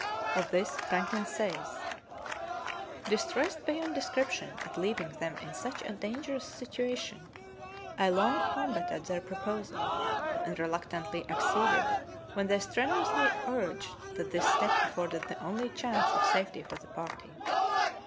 Of this Franklin says: "Distressed beyond descrip tion at leaving them in such a dangerous situation, I long combated their proposal, and reluctantly acceded when they strenuously urged that this step afforded the only chance of safety for the party.